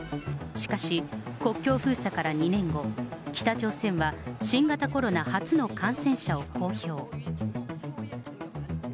しかし、国境封鎖から２年後、北朝鮮は新型コロナ初の感染者を公表。